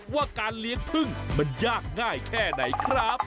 ว่าการเลี้ยงพึ่งมันยากง่ายแค่ไหนครับ